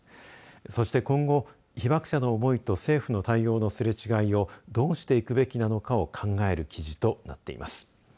そして今後、被爆者の思いと政府の対応のすれ違いをどうしていくべきなのかを考える記事となっています。